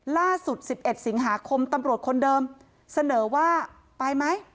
ล่าสุด๑๑สิงหาคมตำรวจคนเดิมเสนอว่าไปไหม